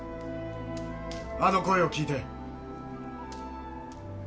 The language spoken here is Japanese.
あの声を聞いて。